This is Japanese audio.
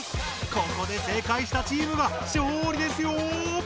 ここで正解したチームが勝利ですよ。